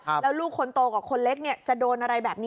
แล้วลูกคนโตกับคนเล็กเนี่ยจะโดนอะไรแบบนี้